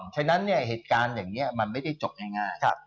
จะไม่ได้จบในง่าย